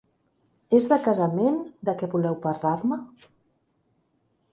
És de casament, de què voleu parlar-me?